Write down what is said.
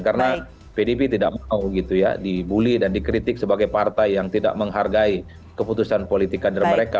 karena pdip tidak mau dibully dan dikritik sebagai partai yang tidak menghargai keputusan politik kader mereka